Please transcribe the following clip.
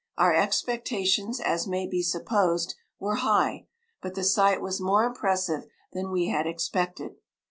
Our expectations, as may be supposed, were high, but the sight was more impressive than we had expected.